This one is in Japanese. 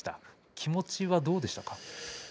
気持ちはどうでしたか。